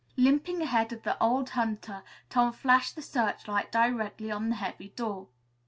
Limping ahead of the old hunter, Tom flashed the searchlight directly on the heavy door.